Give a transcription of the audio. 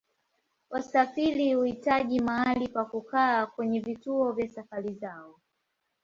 Wasafiri huhitaji mahali pa kukaa kwenye vituo vya safari zao.